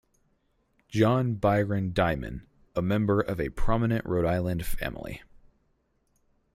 John Byron Diman, a member of a prominent Rhode Island family.